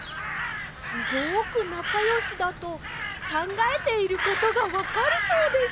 すごくなかよしだとかんがえていることがわかるそうです！